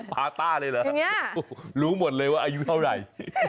ปาต้าเลยเหรอรู้หมดเลยว่าอายุเท่าไหร่